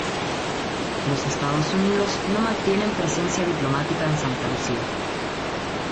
Los Estados Unidos no mantienen presencia diplomática en Santa Lucía.